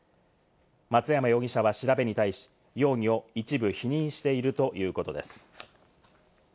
松山容疑者は調べに対し、容疑を一部否認しているということです。